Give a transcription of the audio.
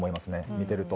見てると。